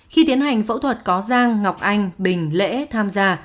khi tiến hành phẫu thuật có giang ngọc anh bình lễ tham gia